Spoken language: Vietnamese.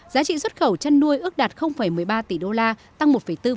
giá trị xuất khẩu chăn nuôi ước đạt một mươi ba tỷ đô la tăng một bốn